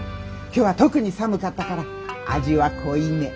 今日は特に寒かったから味は濃いめ。